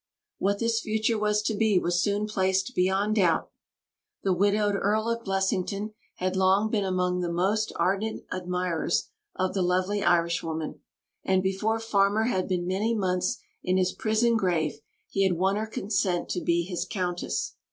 What this future was to be was soon placed beyond doubt. The widowed Earl of Blessington had long been among the most ardent admirers of the lovely Irishwoman; and before Farmer had been many months in his prison grave, he had won her consent to be his Countess.